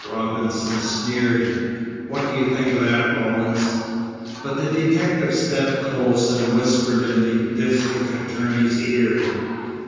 Robinson sneered. "What do you think of that, Rawlins?" But the detective stepped close and whispered in the district attorney's ear.